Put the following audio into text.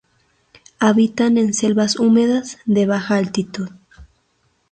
Habitan en selvas húmedas de baja altitud.